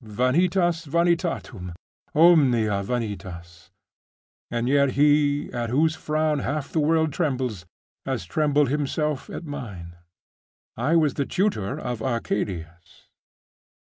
Vanitas vanitatum! omnia vanitas! And yet he, at whose frown half the world trembles, has trembled himself at mine. I was the tutor of Arcadius.